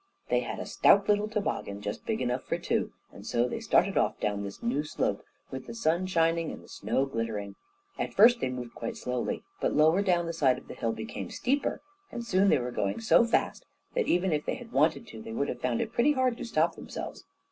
They had a stout little toboggan, just big enough for two, and so they started off down this new slope, with the sun shining and the snow glittering. At first they moved quite slowly, but lower down the side of the hill became steeper, and soon they were going so fast that, even if they had wanted to, they would have found it pretty hard to stop themselves.